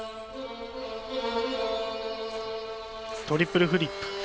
トリプルフリップ。